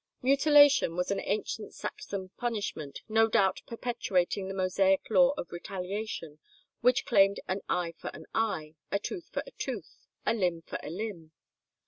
Mutilation was an ancient Saxon punishment, no doubt perpetuating the Mosaic law of retaliation which claimed an eye for an eye, a tooth for a tooth, a limb for a limb.